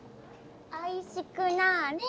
おいしくなれ！